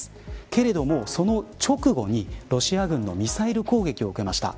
けれども、その直後にロシア軍のミサイル攻撃を受けました。